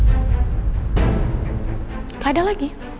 tidak ada lagi